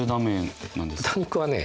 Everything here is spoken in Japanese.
豚肉はね